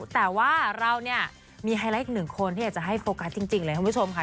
แต่ว่าเราเนี่ยมีไฮไลท์อีกหนึ่งคนที่อยากจะให้โฟกัสจริงเลยคุณผู้ชมค่ะ